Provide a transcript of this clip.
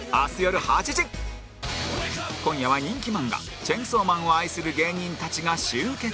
今夜は人気漫画『チェンソーマン』を愛する芸人たちが集結